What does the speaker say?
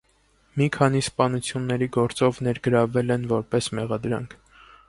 Մի քանի սպանությունների գործով ներգրավվել են որպես մեղադրանք։